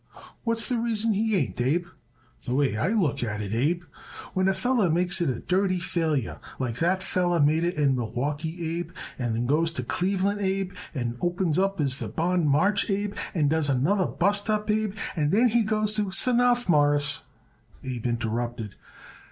"What's the reason he ain't, Abe? The way I look at it, Abe, when a feller makes it a dirty failure like that feller made it in Milwaukee, Abe, and then goes to Cleveland, Abe, and opens up as the bon march, Abe, and does another bust up, Abe, and then he goes to " "S'enough, Mawruss," Abe interrupted.